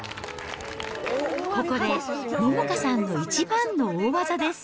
ここで百花さんの一番の大技です。